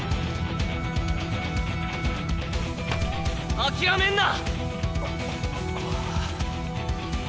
諦めんな！